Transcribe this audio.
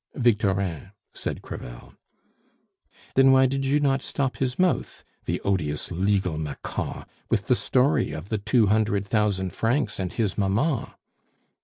"Victorin," said Crevel. "Then why did you not stop his mouth, the odious legal macaw! with the story of the two hundred thousand francs and his mamma?"